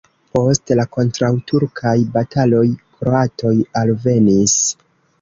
Post la kontraŭturkaj bataloj kroatoj alvenis.